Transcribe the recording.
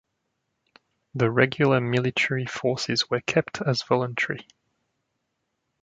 The regular military forces were kept as voluntary.